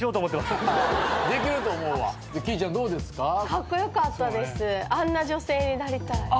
カッコ良かったです。